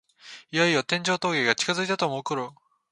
いよいよ天城峠が近づいたと思うころ